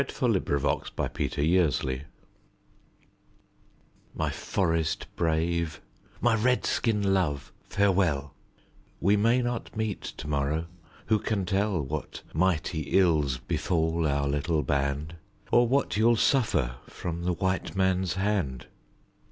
A CRY FROM AN INDIAN WIFE My forest brave, my Red skin love, farewell; We may not meet to morrow; who can tell What mighty ills befall our little band, Or what you'll suffer from the white man's hand?